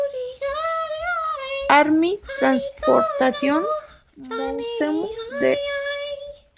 Army Transportation Museum de Ft.